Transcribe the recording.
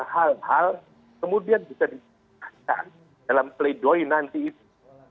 hal hal kemudian bisa dikatakan dalam pleidoy nanti itu